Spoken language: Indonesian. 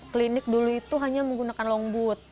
klinik dulu itu hanya menggunakan longboot